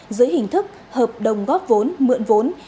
dưới hình thức hợp đồng góp vốn mượn vốn